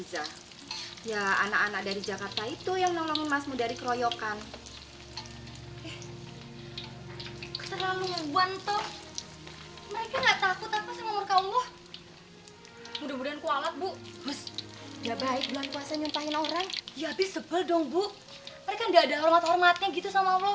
gak ada takut takutnya gitu